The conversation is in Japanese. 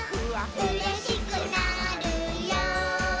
「うれしくなるよ」